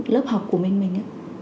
lớp học của mình mình á